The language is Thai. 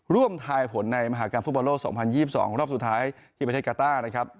ทายผลในมหากรรมฟุตบอลโลก๒๐๒๒รอบสุดท้ายที่ประเทศกาต้านะครับ